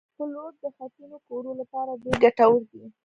پلوړ د خټینو کورو لپاره ډېر ګټور دي